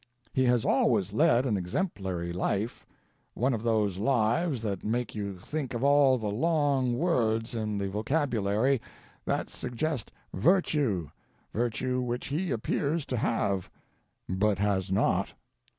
He has always led an exemplary life one of those lives that make you think of all the long words in the vocabulary that suggest virtue, virtue which he appears to have, but has not.